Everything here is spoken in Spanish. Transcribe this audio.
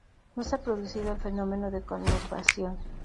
No se ha producido el fenómeno de conurbación.